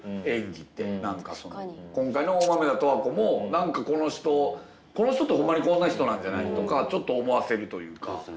今回の「大豆田とわ子」も何かこの人この人ってほんまにこんな人なんじゃないとかちょっと思わせるというか。